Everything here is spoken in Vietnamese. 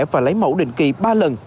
và lấy mẫu định kỳ ba lần